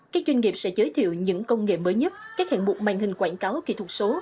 các doanh nghiệp sẽ giới thiệu những công nghệ mới nhất các hạng mục màn hình quảng cáo kỹ thuật số